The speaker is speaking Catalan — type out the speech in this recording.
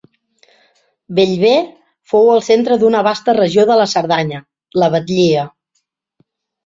Bellver fou el centre d'una vasta regió de la Cerdanya, la Batllia.